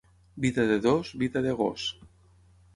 Vida de dos, vida de gos.